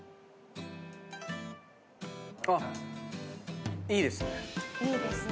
あっいいですね。